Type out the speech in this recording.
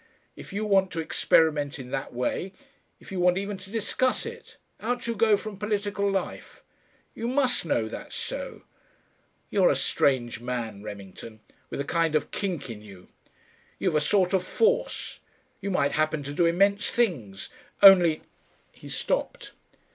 If you want to experiment in that way, if you want even to discuss it, out you go from political life. You must know that's so.... You're a strange man, Remington, with a kind of kink in you. You've a sort of force. You might happen to do immense things.... Only " He stopped.